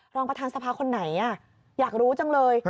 รองประธานสภาคนไหนอยากรู้จังเลย